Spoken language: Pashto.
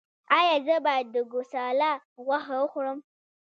ایا زه باید د ګوساله غوښه وخورم؟